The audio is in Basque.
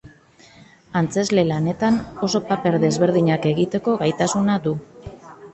Antzezle lanetan, oso paper desberdinak egiteko gaitasuna du.